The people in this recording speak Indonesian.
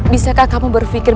bisakah kamu berpikir